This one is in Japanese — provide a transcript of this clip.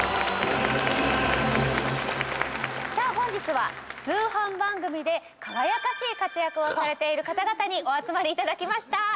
さあ本日は通販番組で輝かしい活躍をされている方々にお集まりいただきました。